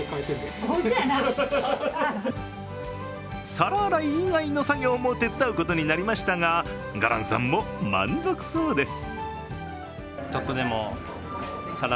皿洗い以外の作業も手伝うことになりましたが加覽さんも満足そうです。